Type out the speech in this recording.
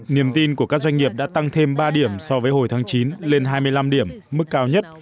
niềm tin của các doanh nghiệp đã tăng thêm ba điểm so với hồi tháng chín lên hai mươi năm điểm mức cao nhất